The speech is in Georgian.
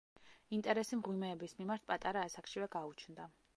ინტერესი მღვიმეების მიმართ პატარა ასაკშივე გაუჩნდა.